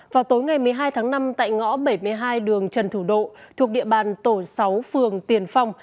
vào tối ngày một mươi hai tháng năm tại ngõ bảy mươi hai đường trần thủ độ thuộc địa bàn tổ sáu phường tiền phong